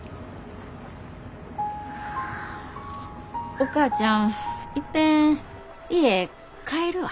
お母ちゃんいっぺん家帰るわ。